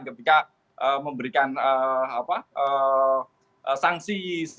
ketika memberikan sanksi